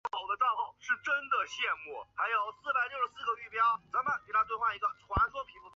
江苏天目湖国家森林公园位于中国江苏省溧阳市南部。